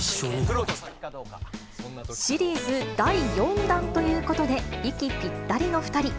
シリーズ第４弾ということで、息ぴったりの２人。